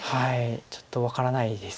ちょっと分からないです。